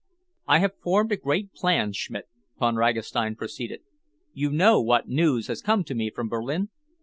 "I have formed a great plan, Schmidt," Von Ragastein proceeded. "You know what news has come to me from Berlin?"